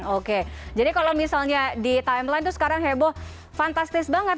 oke jadi kalau misalnya di timeline itu sekarang heboh fantastis banget